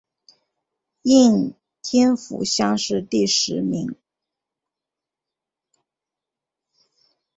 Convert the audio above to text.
应天府乡试第十名。